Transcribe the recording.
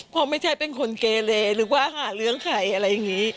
เพราะไม่ใช่เป็นคนเกเลหรือว่าหาเรื่องใครอะไรอย่างนี้